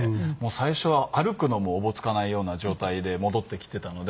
最初は歩くのもおぼつかないような状態で戻ってきていたので。